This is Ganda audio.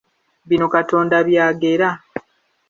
Bino Katonda by'agera!